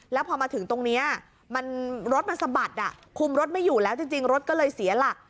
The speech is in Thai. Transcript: แล้วพอมาถึงตรงนี้รถมันสะบัดอ่ะคุมรถไม่อยู่แล้วจริงรถก็เลยเสียหลัก